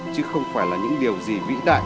chứ không phải là những điều gì vĩ đại